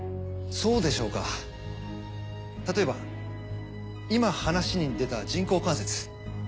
そうでしょうか例えば今話に出た人工関節。